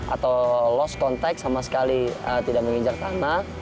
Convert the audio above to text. atau lost contact sama sekali tidak menginjak tanah